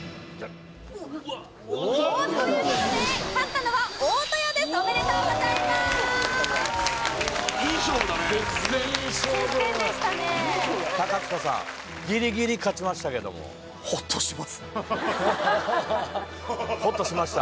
おっということで勝ったのは大戸屋ですおめでとうございますいい勝負だね接戦接戦でしたね高塚さんギリギリ勝ちましたけどもホッとしました？